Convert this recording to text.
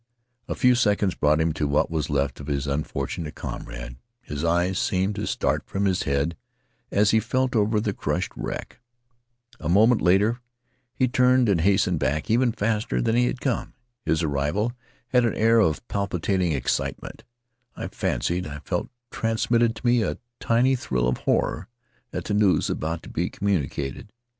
A few seconds brought him to what was left of his unfortunate comrade; his eyes seemed to start from tis head as he felt over the crushed wreck. A moment In the Cook Group fater he turned and hastened back even faster than he had come. His arrival had an air of palpitating excite ment; I fancied I felt transmitted to me a tiny thrill of horror at the news about to be communicated.